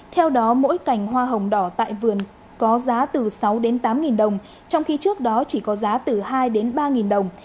theo đó mỗi cành hoa hồng đỏ tại vườn có giá từ sáu đến tám đồng trong khi trước đó chỉ có giá từ hai ba đồng